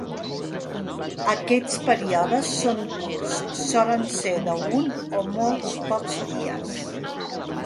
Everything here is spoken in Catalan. Aquests períodes són curts, solen ser d'un o molt pocs dies.